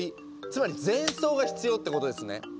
つまり前奏が必要ってことですね。